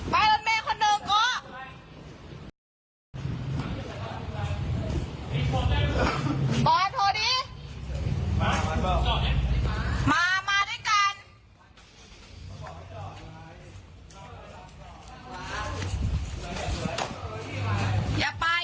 มามาด้วยกัน